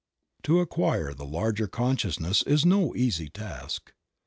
To acquire the larger consciousness is no easy task.